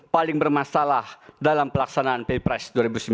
paling bermasalah dalam pelaksanaan ppres dua ribu sembilan belas